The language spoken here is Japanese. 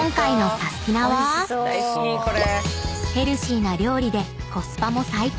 ［ヘルシーな料理でコスパも最強！］